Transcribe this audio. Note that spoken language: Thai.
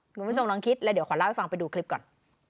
กลุ่มไปส่งน้องคิดแล้วเดี๋ยวขอเล่าให้ฟังไปดูคลิปก่อน